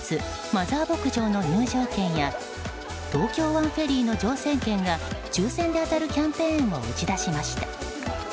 マザー牧場の入場券や東京湾フェリーの乗船券が抽選で当たるキャンペーンを打ち出しました。